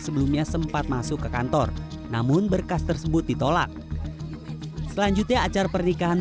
sebelumnya sempat masuk ke kantor namun berkas tersebut ditolak selanjutnya acara pernikahan